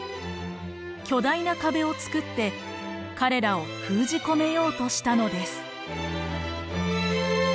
巨大な壁をつくって彼らを封じ込めようとしたのです。